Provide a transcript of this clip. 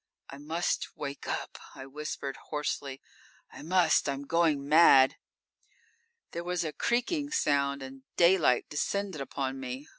_ "I must wake up," I whispered hoarsely, "I must! I'm going mad!" _There was a creaking sound and daylight descended upon me.